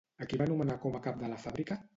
A qui va nomenar com a cap de la fàbrica?